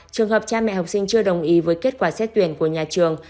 trường hợp cha mẹ học sinh chưa đồng ý với kết quả xét tuyển của nhà trường